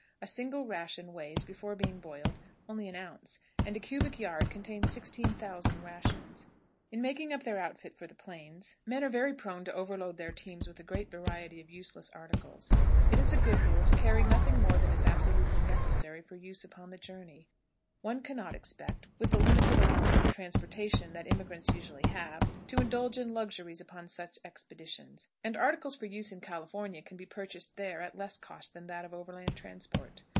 A single ration weighs, before being boiled, only an ounce, and a cubic yard contains 16,000 rations. In making up their outfit for the plains, men are very prone to overload their teams with a great variety of useless articles. It is a good rule to carry nothing more than is absolutely necessary for use upon the journey. One can not expect, with the limited allowance of transportation that emigrants usually have, to indulge in luxuries upon such expeditions, and articles for use in California can be purchased there at less cost than that of overland transport.